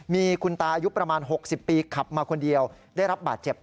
มีคุณตาอายุประมาณ๖๐ปีขับมาคนเดียวได้รับบาดเจ็บ